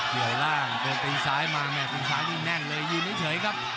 เหลือกล้างตัวติดซ้ายมามาเนี่ยติกซ้ายเร็วแน่นเลยยืนให้เฉยครับ